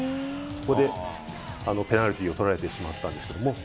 ここでペナルティーを取られてしまったんですけれども。